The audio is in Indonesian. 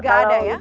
enggak ada ya